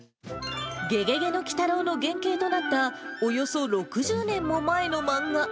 ゲゲゲの鬼太郎の原型となった、およそ６０年も前の漫画。